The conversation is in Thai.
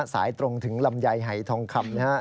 สายตรงถึงลำไยหายทองคำนะฮะ